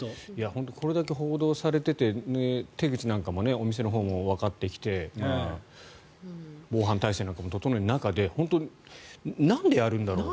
本当これだけ報道されてて手口なんかもお店のほうもわかってきて防犯体制なんかも整える中で本当、なんでやるんだろうって。